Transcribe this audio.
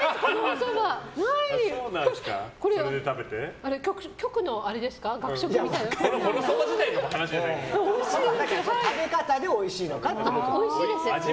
その食べ方でおいしいのかって話です。